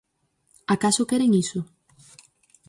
¿Acaso queren iso?